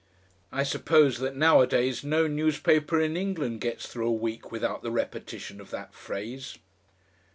(I suppose that nowadays no newspaper in England gets through a week without the repetition of that phrase.)